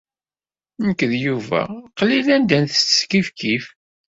Nekk d Yuba qlil anda nsett kifkif.